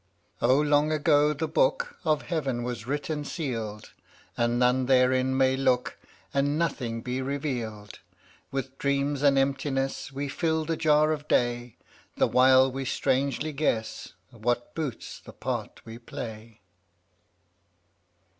86 Oh, long ago the Book Of Heaven was writ and sealed, And none therein may look And nothing be revealed; With dreams and emptiness We fill the jar of day, The while we strangely guess What boots the part we play.